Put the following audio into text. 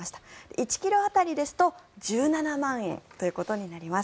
１ｋｇ当たりですと１７万円ということになります。